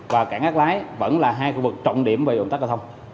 và cảng ác lái vẫn là hai khu vực trọng điểm về ủn tắc giao thông